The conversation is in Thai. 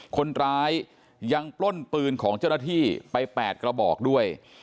คนร้ายยังปล้นปืนของเจ้าหน้าที่ไป๘กระบอกด้วย